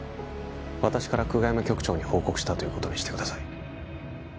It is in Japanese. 私から久我山局長に報告したということにしてください